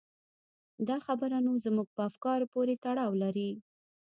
دا خبره نو زموږ په افکارو پورې تړاو لري.